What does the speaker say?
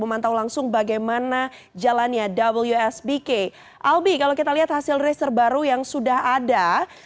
albi kalau kita lihat hasil race terbaru yang sudah ada